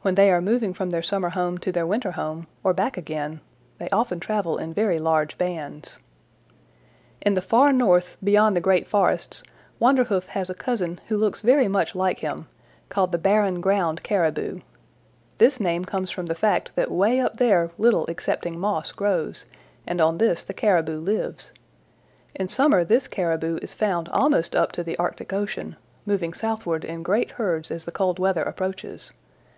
When they are moving from their summer home to their winter home, or back again, they often travel in very large bands. "In the Far North beyond the great forests Wanderhoof has a cousin who looks very much like him, called the Barren Ground Caribou. The name comes from the fact that way up there little excepting moss grows, and on this the Caribou lives. In summer this Caribou is found almost up to the Arctic Ocean, moving southward in great herds as the cold weather approaches.